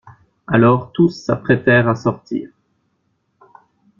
Alors tous s'apprêtèrent à sortir.